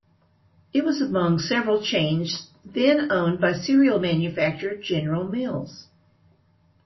It was among several chains then owned by cereal manufacturer General Mills.